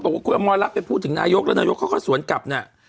ว่าคุณอมรรัฐไปพูดถึงนายกแล้วนายกเขาก็สวนกลับเนี่ย